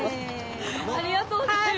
ありがとうございます。